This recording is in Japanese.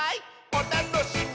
おたのしみ！」